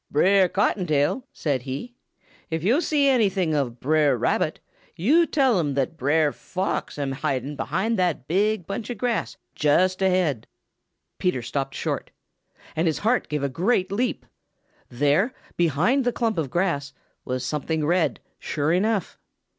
"Brer Cottontail," said he, "if yo' see anything of Brer Rabbit, yo' tell him that Brer Fox am hiding behind that big bunch of grass just ahead." Peter stopped short, and his heart gave a great leap. There, behind the clump of grass, was something red, sure enough.